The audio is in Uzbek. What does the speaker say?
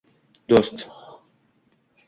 Do‘st!